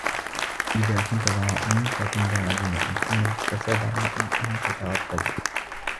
إذا كنتَ ذا رأىٍ فكن ذا عزيمة فإن فساد الرأي أن تترددا